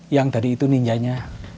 yang tadi itu ninjanya